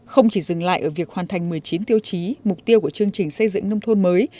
không chỉ dừng lại ở việc hoàn thành một mươi chín tiêu chí mục tiêu của chương trình xây dựng nông thôn mới